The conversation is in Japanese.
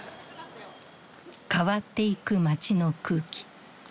変わっていく街の空気。